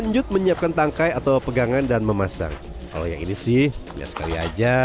lanjut menyiapkan tangkai atau pegangan dan memasang kalau yang ini sih lihat sekali aja